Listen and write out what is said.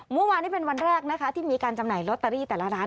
เมื่อวานนี้เป็นวันแรกนะคะที่มีการจำหน่ายลอตเตอรี่แต่ละร้าน